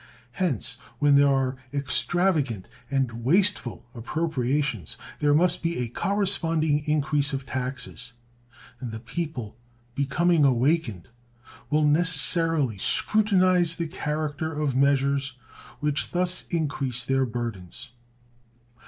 Hence when there are extravagant and wasteful appropriations there must be a corresponding increase of taxes, and the people, becoming awakened, will necessarily scrutinize the character of measures which thus increase their burdens.